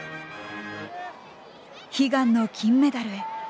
悲願の金メダルへ。